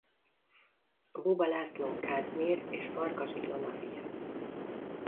Boba László Kázmér és Farkas Ilona fia.